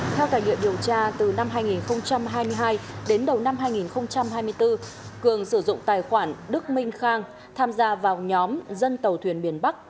theo tài liệu điều tra từ năm hai nghìn hai mươi hai đến đầu năm hai nghìn hai mươi bốn cường sử dụng tài khoản đức minh khang tham gia vào nhóm dân tàu thuyền miền bắc